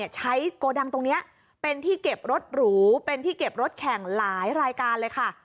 โกดังตรงนี้เป็นที่เก็บรถหรูเป็นที่เก็บรถแข่งหลายรายการเลยค่ะ